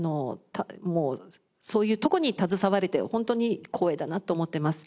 もうそういうとこに携われて本当に光栄だなって思ってます。